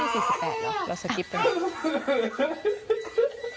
เฮ้นี่๔๘หรอเราสกิปได้ไหม